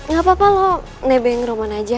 gak apa apa lo nebeng roman aja